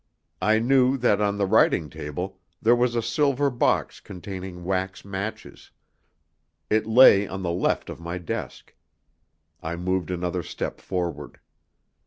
I knew that on the writing table there was a silver box containing wax matches. It lay on the left of my desk. I moved another step forward.